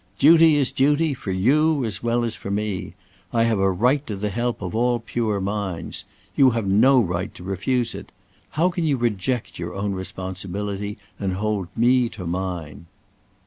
"Duty is duty, for you as well as for me. I have a right to the help of all pure minds. You have no right to refuse it. How can you reject your own responsibility and hold me to mine?"